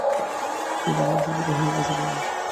মধুসূদন স্তম্ভিত হয়ে বসে রইল।